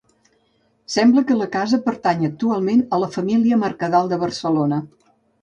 Sembla que la casa pertany actualment a la família Mercadal de Barcelona.